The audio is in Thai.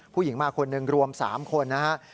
ผู้หญิงมาคนหนึ่งรวม๓คนนะครับ